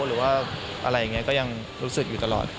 หรือว่าอะไรอย่างนี้ก็ยังรู้สึกอยู่ตลอด